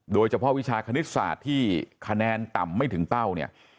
โดยเฉพาะวิชาคณิตศาสตร์ที่คะแนนต่ำไม่ถึงเป้าเนี่ย